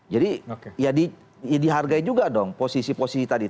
jadi dihargai juga dong posisi posisi tadi